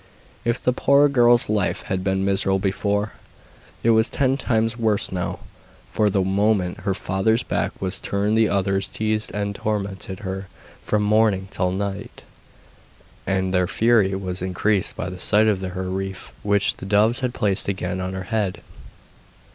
If the poor girl's life had been miserable before, it was ten times worse now, for the moment her father's back was turned the others teased and tormented her from morning till night; and their fury was increased by the sight of her wreath, which the doves had placed again on her head.